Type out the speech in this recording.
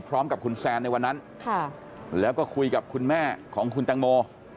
พร้อมกับคุณแซนในวันนั้นแล้วก็คุยกับคุณแม่ของคุณตังโม